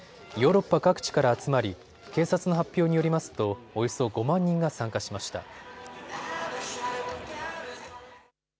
ヨーロッパ各地から集まり警察の発表によりますとおよそ５万人が参加しました。